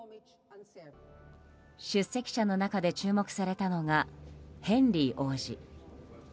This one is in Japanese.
出席者の中で注目されたのがヘンリー王子。